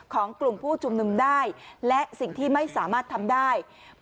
ของกลุ่มผู้จุ่มนุ่มได้